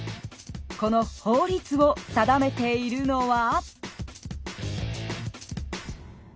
この法律を定めているのは？